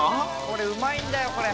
「これうまいんだよこれ」